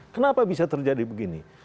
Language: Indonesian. kenapa bisa terjadi begini